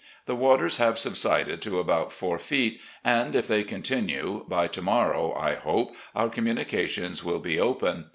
The waters have subsided to about four feet, and, if they continue, by to morrow, I hope, our communications will be open.